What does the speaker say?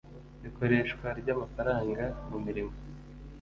ikoreshwa ry ‘amafaranga mu mirimo.